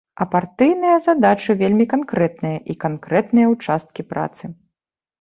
А партыйныя задачы вельмі канкрэтныя, і канкрэтныя ўчасткі працы.